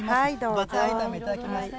バター炒めいただきます。